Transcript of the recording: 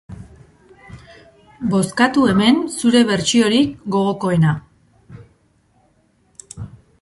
Bozkatu hemen zure bertsiorik gogokoena.